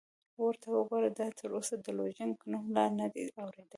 ورته وګوره، ده تراوسه د لوژینګ نوم لا نه دی اورېدلی!